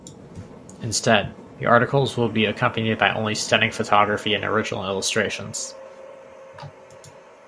Instead, the articles will be accompanied only by stunning photography and original illustrations.